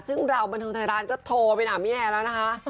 ซึ่งเราบริษัทธิศาสตร์อินทรารามค์ก็โทรไปแหน้ามีแอนละค่ะ